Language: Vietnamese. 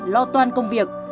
lo toan công việc